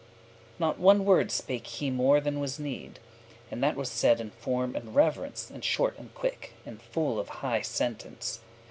Not one word spake he more than was need; And that was said in form and reverence, And short and quick, and full of high sentence.